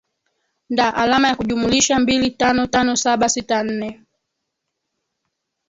nda alama ya kujumulisha mbili tano tano saba sita nne